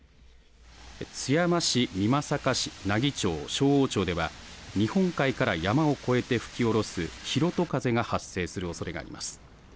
津山市、美作市、奈義町、勝央町では、日本海から山を越えて吹き降ろす、広戸風が発生するおそれがあります。